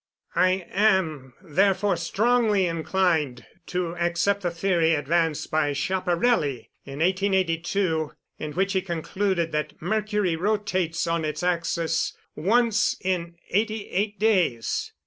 I am therefore strongly inclined to accept the theory advanced by Schiaparelli in 1882, in which he concluded that Mercury rotates on its axis once in eighty eight days.